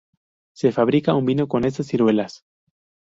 Se fabrica un vino con estas ciruelas.